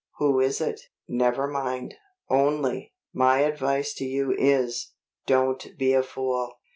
"Who is it?" "Never mind. Only, my advice to you is, don't be a fool."